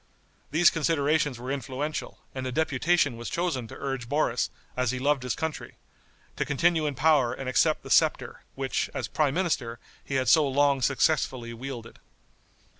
These considerations were influential, and a deputation was chosen to urge Boris, as he loved his country, to continue in power and accept the scepter, which, as prime minister, he had so long successfully wielded.